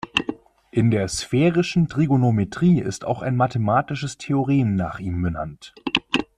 In der sphärischen Trigonometrie ist auch ein mathematisches Theorem nach ihm benannt.